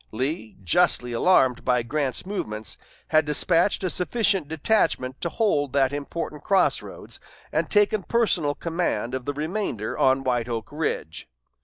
Lee, justly alarmed by Grant's movements, had despatched a sufficient detachment to hold that important cross roads, and taken personal command of the remainder on White Oak Ridge.